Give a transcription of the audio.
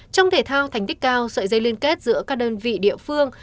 trong thể thao thành tích cao sợi dây liên kết giữa các đơn vị địa phương